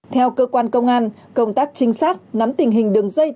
theo cơ quan công an công tác trinh sát nắm tình hình đường dây tội phạm